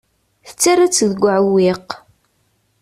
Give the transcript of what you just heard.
Tettarra-tt deg uɛewwiq.